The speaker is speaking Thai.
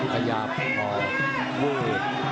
ขยับออกมวย